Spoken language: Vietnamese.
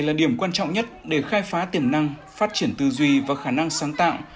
đây là điểm quan trọng nhất để khai phá tiềm năng phát triển tư duy và khả năng sáng tạo